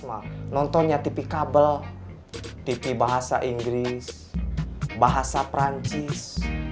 nontonnya tv kabel tv bahasa inggris bahasa perancis